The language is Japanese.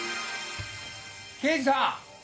刑事さん！